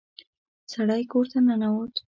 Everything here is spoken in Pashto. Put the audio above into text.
سړی کور ته ننوت.